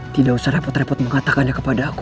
tidak usah repot repot mengatakannya kepada aku